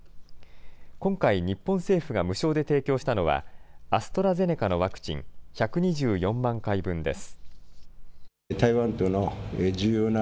今回、日本政府が無償で提供したのは、アストラゼネカのワクチン１２４万回分です。